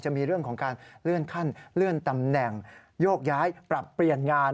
จะมีเรื่องของการเลื่อนขั้นเลื่อนตำแหน่งโยกย้ายปรับเปลี่ยนงาน